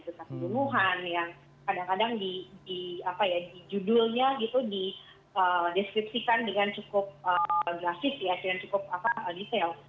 berita keburuhan yang kadang kadang di judulnya gitu dideskripsikan dengan cukup grafis ya dengan cukup detail